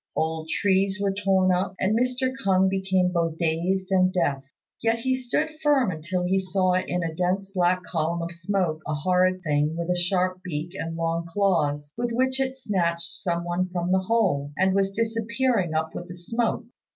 Old trees were torn up, and Mr. K'ung became both dazed and deaf. Yet he stood firm until he saw in a dense black column of smoke a horrid thing with a sharp beak and long claws, with which it snatched some one from the hole, and was disappearing up with the smoke.